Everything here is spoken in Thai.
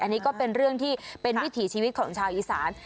อันนี้ก็เป็นเรื่องที่เป็นวิถีชีวิตของชาวอีสาน